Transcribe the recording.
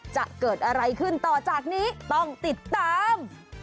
จะเกิดอะไรขึ้นต่อจากนี้ต้องติดตาม